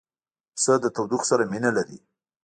پسه له تودوخې سره مینه لري.